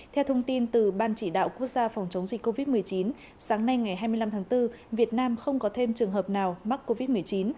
theo thông tin từ ban chỉ đạo quốc gia phòng chống dịch covid một mươi chín sáng nay ngày hai mươi năm tháng bốn việt nam không có thêm trường hợp nào mắc covid một mươi chín